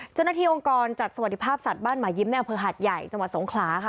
เจ้าหน้าที่องค์กรจัดสวัสดิภาพสัตว์บ้านหมายยิ้มในอำเภอหาดใหญ่จังหวัดสงขลาค่ะ